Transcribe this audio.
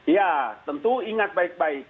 ya tentu ingat baik baik